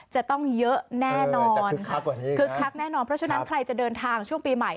จะต้องเยอะแน่นอนค่ะคึกคักแน่นอนเพราะฉะนั้นใครจะเดินทางช่วงปีใหม่